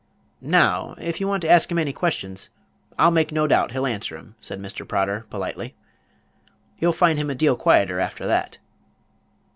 "Now, if you want to ask him any questions, I make no doubt he'll answer 'em," said Mr. Prodder, politely. "You'll find him a deal quieter after that."